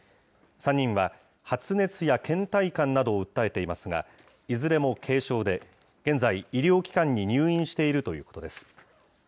３人は、発熱やけん怠感などを訴えていますが、いずれも軽症で、現在、医療機関に入院しているということです。